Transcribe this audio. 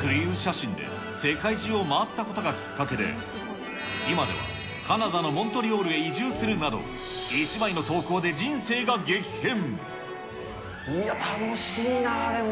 浮遊写真で世界中を回ったことがきっかけで、今ではカナダのモントリオールへ移住するなど、いや、楽しいなぁ、でも。